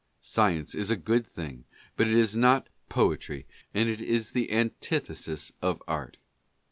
Science is a good thing, but it is not poetry and it is the antithesis of art.